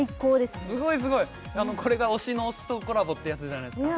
すごいすごいこれが推しの推しとコラボってやつじゃないですか？